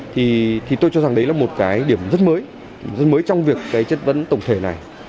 thì tôi cho rằng đấy là một cái điểm rất mới rất mới trong việc cái chất vấn tổng thể này